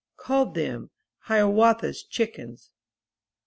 Called them ''Hiawatha's Chickens.'